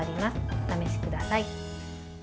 お試しください。